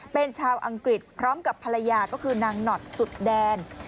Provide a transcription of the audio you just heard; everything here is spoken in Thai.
เป็นชาวอังกฤษพร้อมกับภรรยาก็คือนางหนอดสุดแดน